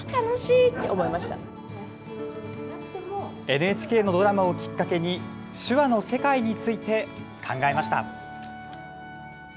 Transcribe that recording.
ＮＨＫのドラマをきっかけに手話の世界について考えました。